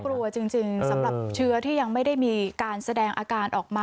กลัวจริงสำหรับเชื้อที่ยังไม่ได้มีการแสดงอาการออกมา